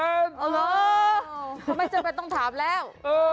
ไม่จำเป็นต้องถามแล้ว